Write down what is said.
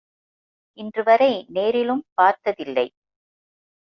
இன்றுவரை நேரிலும் பார்த்ததில்லை.